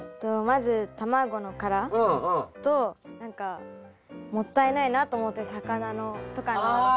まず卵の殻と何かもったいないなと思って魚とかの骨。